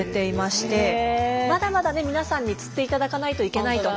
まだまだね皆さんに釣っていただかないといけないと。